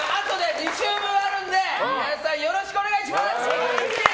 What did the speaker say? ２週目もあるので皆さんよろしくお願いします！